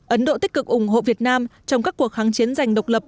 ấn độ tích cực ủng hộ việt nam trong các cuộc kháng chiến giành độc lập